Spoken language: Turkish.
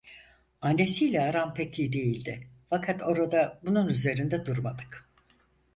Annesiyle aram pek iyi değildi, fakat orada bunun üzerinde durmadık.